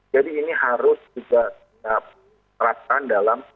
jadi ini harus juga kita perhatikan dalam